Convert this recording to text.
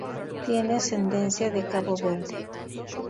Tiene ascendencia de Cabo Verde.